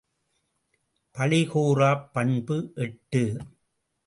பழி கூறாப் பண்பு எட்டு.